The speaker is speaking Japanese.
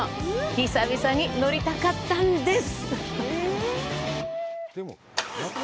久々に乗りたかったんです。